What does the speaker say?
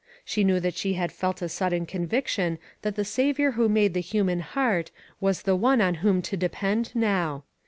She knew that she had felt a sudden conviction that the Saviour who made the human heart, was the one on whom to depend now.